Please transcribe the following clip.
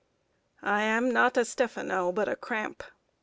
I am not a Stephano, but a cramp.